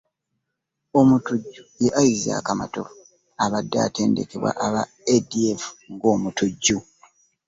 Omutujju ye Isaac Matovu abadde atendekebwa aba ADF ng'omutujju